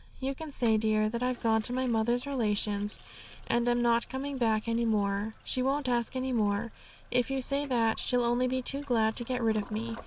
'You can say, dear, that I've gone to my mother's relations, and am not coming back any more. She won't ask any more, if you say that; she'll only be too glad to get rid of me.